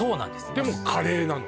でもカレーなの？